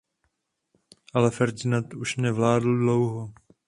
Ale Ferdinand už nevládl dlouho.